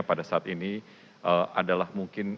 pada saat ini adalah mungkin